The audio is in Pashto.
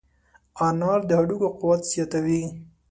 انار د هډوکو قوت زیاتوي.